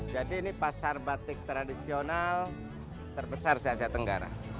jadi ini pasar batik tradisional terbesar di asia tenggara